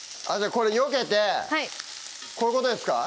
これよけてこういうことですか？